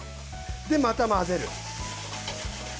で、また混ぜる。